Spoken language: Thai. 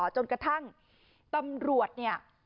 จนกระทั่งตำรวจ